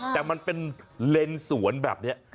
แต่มันเป็นเลนสวนแบบนี้